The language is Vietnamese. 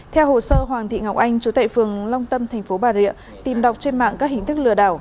theo hồ sơ hoàng thị ngọc anh chủ tệ phường long tâm thành phố bà rịa tìm đọc trên mạng các hình thức lừa đảo